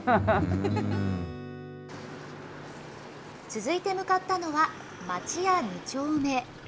続いて向かったのは、町屋二丁目。